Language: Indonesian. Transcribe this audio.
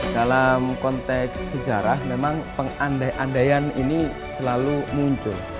dalam konteks sejarah memang pengandai andaian ini selalu muncul